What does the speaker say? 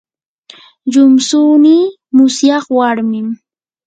llumtsuynii musyaq warmin.